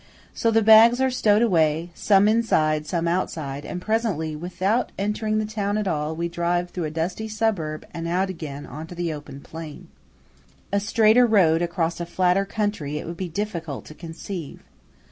So the bags are stowed away, some inside, some outside; and presently, without entering the town at all, we drive through a dusty suburb and out again upon the open plain. A straighter road across a flatter country it would be difficult to conceive.